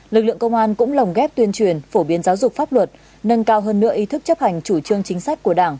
lực lượng công an cũng lồng ghép tuyên truyền phổ biến giáo dục pháp luật nâng cao hơn nửa ý thức chấp hành chủ trương chính sách của đảng